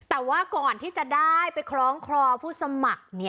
แต่ว่าก่อนที่จะได้ไปคล้องคลอผู้สมัคร